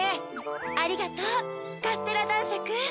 ありがとうカステラだんしゃく。